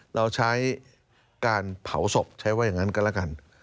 เราใช้การเผาศพใช้ว่าอย่างนั้นก็แล้วกัน